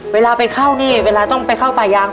เวลาไปเข้านี่เวลาต้องไปเข้าป่ายาง